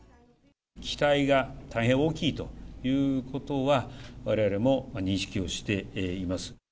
期待が大変大きいということは、われわれも認識をしています。